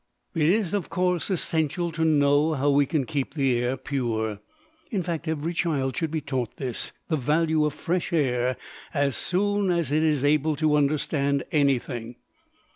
It is, of course, essential to know how we can keep the air pure. In fact, every child should be taught the value of fresh air, as soon as it is able to understand anything.